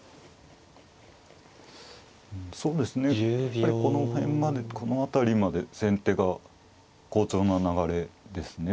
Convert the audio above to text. やっぱりこの辺までこの辺りまで先手が好調な流れですね。